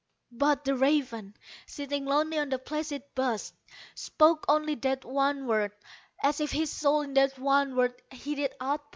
But the raven, sitting lonely on the placid bust, spoke only That one word, as if his soul in that one word he did outpour.